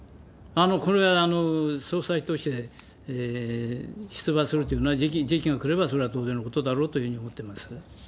これは総裁として出馬するというのは、時期が来れば、それは当然のことだろうというふうに思ってます。